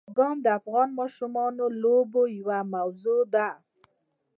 بزګان د افغان ماشومانو د لوبو یوه موضوع ده.